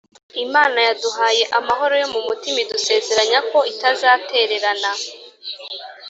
Imana yaduhaye mahoro yo mu mutima idusezeranya ko itazatererana